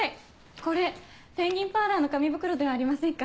これペンギンパーラーの紙袋ではありませんか？